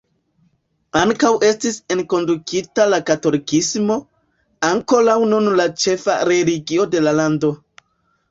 Ankaŭ estis enkondukita la katolikismo, ankoraŭ nun la ĉefa religio de la lando.